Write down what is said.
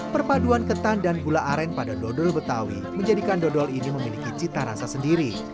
perpaduan ketan dan gula aren pada dodol betawi menjadikan dodol ini memiliki cita rasa sendiri